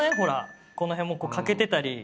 この辺もこう欠けてたり。